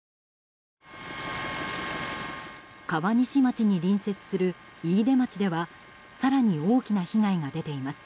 川西町に隣接する飯豊町では更に大きな被害が出ています。